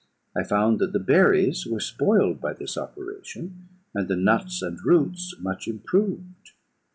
I found that the berries were spoiled by this operation, and the nuts and roots much improved.